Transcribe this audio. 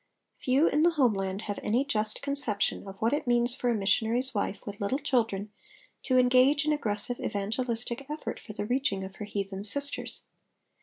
_" Few in the home land have any just conception of what it means for a missionary's wife with little children to engage in aggressive evangelistic effort for the reaching of her heathen sisters.